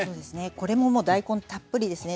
これももう大根たっぷりですね。